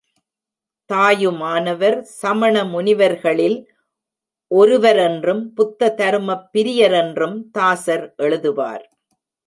தாயுமானவர் சமண முனிவர்களில் ஒருவரென்றும் புத்த தருமப் பிரியரென்றும் தாசர் எழுதுவார்.